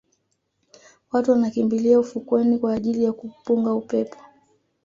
Watu wanakimbilia ufukweni kwa ajili ya kupunga upepo